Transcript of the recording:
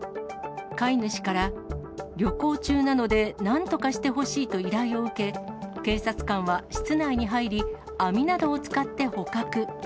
飼い主から、旅行中なので、なんとかしてほしいと依頼を受け、警察官は室内に入り、網などを使って捕獲。